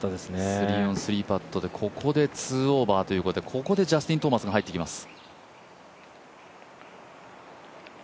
３オン３パットで、ここで２オーバーでここでジャスティン・トーマスが入ってきます。